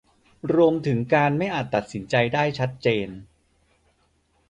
รวมถึงการไม่อาจจะตัดสินใจได้ชัดเจน